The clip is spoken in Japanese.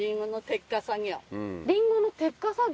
リンゴの摘果作業？